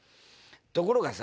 ところがさ